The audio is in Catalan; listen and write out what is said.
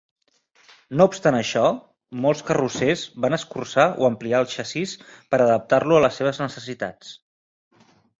No obstant això, molts carrossers van escurçar o ampliar el xassís per adaptar-lo a les seves necessitats.